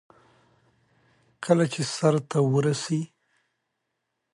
آزادي ورکړې وه.